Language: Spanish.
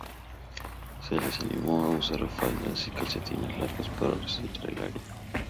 Se les animó a usar faldas y calcetines largos para resaltar el área.